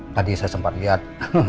tadi saya sempat liat